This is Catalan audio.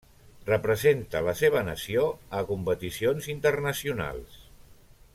Representa la seva nació a competicions internacionals.